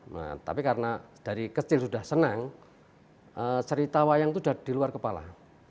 nah tapi karena dari kecil sudah senang cerita wayang itu sudah di luar kepala